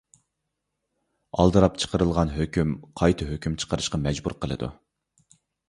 ئالدىراپ چىقىرىلغان ھۆكۈم، قايتا ھۆكۈم چىقىرىشقا مەجبۇر قىلىدۇ.